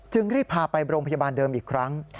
รีบพาไปโรงพยาบาลเดิมอีกครั้ง